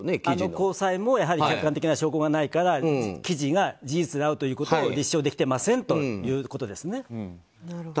高裁も客観的な証拠がないから記事が事実であることを立証できてませんということですね。